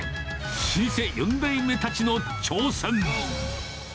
老舗４代目たちの挑戦。